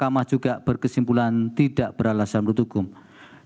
makamah juga berkesimpulan tidak berlasan berdukung